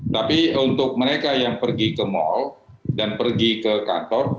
tapi untuk mereka yang pergi ke mal dan pergi ke kantor